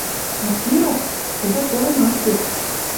А Киров, тӹдӹ колен ак керд